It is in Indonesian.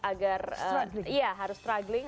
agar ya harus struggling